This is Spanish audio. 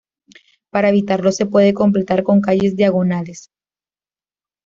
Para evitarlo se puede completar con calles diagonales.